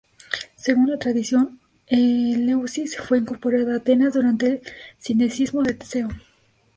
Según la tradición, Eleusis fue incorporada a Atenas durante el sinecismo de Teseo.